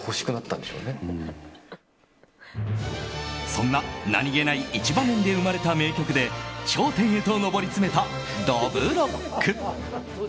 そんな何気ない一場面で生まれた名曲で頂上へと上り詰めたどぶろっく。